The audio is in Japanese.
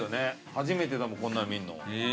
初めてだもんこんなの見るの。